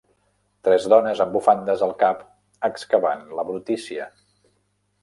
Tres dones amb bufandes al cap excavant la brutícia.